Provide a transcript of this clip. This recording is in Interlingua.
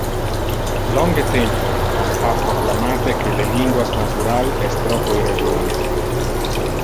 Longe tempore on ha proclamate que le linguas natural es troppo irregular.